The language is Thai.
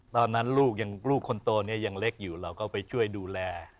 ตอนนั้นลูกยังลูกคนโตเนี่ยยังเล็กอยู่เราก็ไปช่วยดูแล